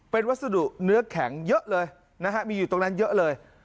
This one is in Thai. เป็นวัสดุเนื้อแข็งเยอะเลยนะฮะมีอยู่ตรงนั้นเยอะเลย